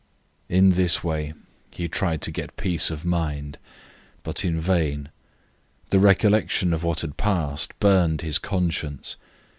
In this way he tried to get peace of mind, but in vain. The recollection of what had passed burned his conscience.